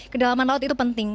kedalaman laut itu penting